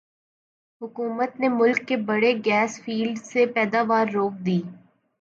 حکومت نے ملک کے بڑے گیس فیلڈز سے پیداوار روک دی